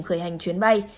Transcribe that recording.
khởi hành chuyến bay